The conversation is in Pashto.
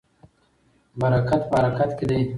برکت په حرکت کې دی.